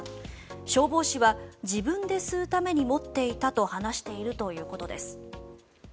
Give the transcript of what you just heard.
消防士は自分で吸うために持っていたと話しているということです。